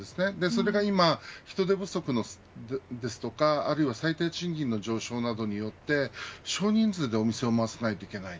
それが今、人手不足ですとかあるいは最低賃金の上昇などによって少人数でお店を回さなきゃいけない。